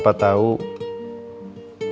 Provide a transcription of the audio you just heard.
kamu lagi gak bisa berbicara